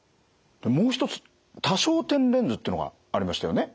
もう一つ多焦点レンズっていうのがありましたよね。